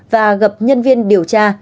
và gặp nhân viên điều tra